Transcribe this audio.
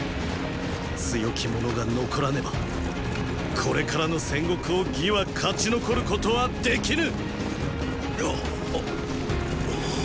強き者が残らねばこれからの戦国を魏は勝ち残ることはできぬ！っ！